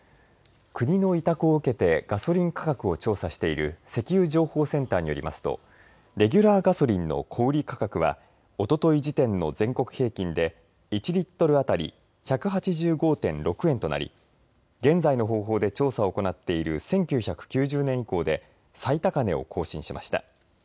国の委託を受けてガソリン価格を調査している石油情報センターによりますとレギュラーガソリンの小売価格はおととい時点の全国平均で１リットル当たり１８５．６円となり現在の方法で調査を行っている１９９０年以降で最高値を更新しました。